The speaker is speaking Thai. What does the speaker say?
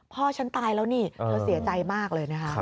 พ่อฉันตายแล้วนี่เธอเสียใจมากเลยนะคะ